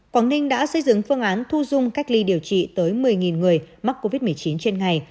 quảng ninh đã xây dựng phương án thu dung cách ly điều trị tới một mươi người mắc covid một mươi chín trên ngày